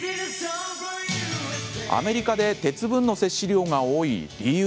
アメリカで鉄分の摂取量が多い理由。